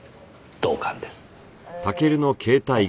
同感です。